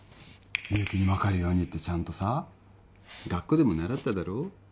みゆきに分かるようにってちゃんとさ学校でも習っただろ？